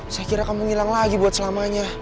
saya kira kamu ngilang lagi buat selamanya